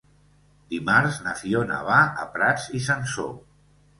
Dimarts na Fiona va a Prats i Sansor.